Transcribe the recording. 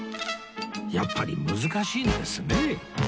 やっぱり難しいんですね